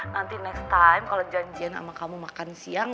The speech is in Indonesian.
nanti next time kalau janjian sama kamu makan siang